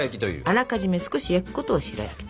あらかじめ少し焼くことを白焼きと。